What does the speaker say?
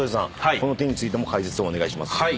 この点についても解説お願いします。